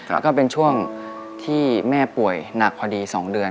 แล้วก็เป็นช่วงที่แม่ป่วยหนักพอดี๒เดือน